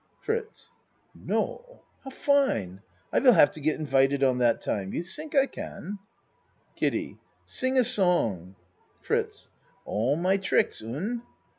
FRITZ No ! How fine ! I will haf to get invited on that time. You tink I can? KIDDIE Sing a song. FRITZ All my tricks, un?